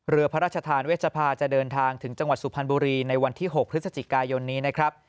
เรือพระราชทานเวชภาจะเดินทางถึงจังหวัดสุพรรณบุรีในวันที่๖พฤศจิกายนนี้นะครับ